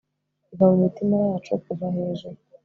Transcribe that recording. iva mu mitima yacu, kuva hejuru